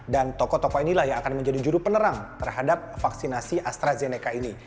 dan tokoh tokoh inilah yang akan menjadi judul penerang terhadap vaksinasi astrazeneca ini